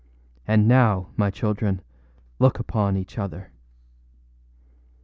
And now, my children, look upon each other.